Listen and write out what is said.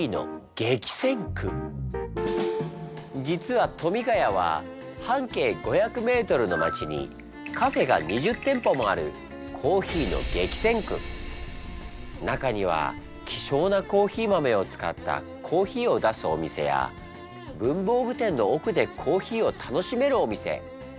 実は富ヶ谷は半径５００ｍの街にカフェが２０店舗もある中には希少なコーヒー豆を使ったコーヒーを出すお店や文房具店の奥でコーヒーを楽しめるお店。